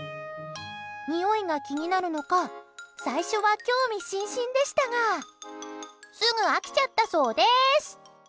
においが気になるのか最初は興味津々でしたがすぐ飽きちゃったそうです。